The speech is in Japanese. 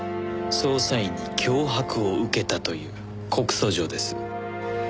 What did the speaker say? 捜査員に脅迫を受けたという告訴状です。